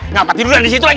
ngapa tiduran disitu lagi